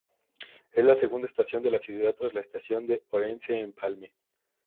Es la segunda estación de la ciudad tras la estación de Orense-Empalme.